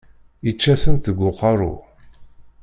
Yečča-tent deg uqerru.